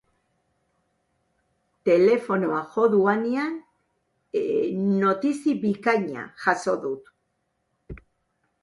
Arinak, gardenak, finak eta argia igarotzen uzten dute.